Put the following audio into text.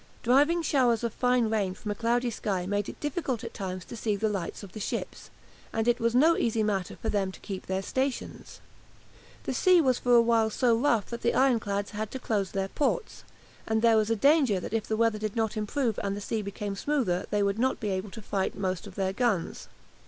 Driving showers of fine rain from a cloudy sky made it difficult at times to see the lights of the ships, and it was no easy matter for them to keep their stations. The sea was for a while so rough that the ironclads had to close their ports, and there was a danger that if the weather did not improve and the sea become smoother they would not be able to fight most of their guns.